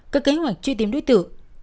các kế hoạch truy tìm đối tượng